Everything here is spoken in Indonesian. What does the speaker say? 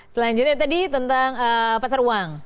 selanjutnya tadi tentang pasar uang